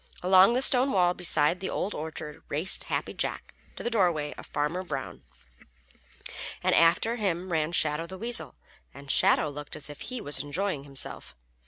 Along the stone wall beside the Old Orchard raced Happy Jack to the dooryard of Farmer Brown, and after him ran Shadow the Weasel, and Shadow looked as if he was enjoying himself.